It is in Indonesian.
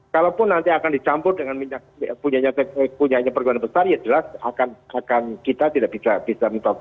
kalaupun nanti akan dicampur dengan punya tps punya perkebunan besar ya jelas akan kita tidak bisa mencoba